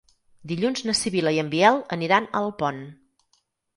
Dilluns na Sibil·la i en Biel aniran a Alpont.